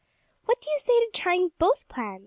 "What do you say to trying both plans?"